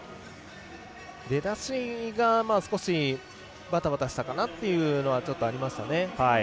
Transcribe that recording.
出だしが少しバタバタしたかなっていうのはちょっとありましたね。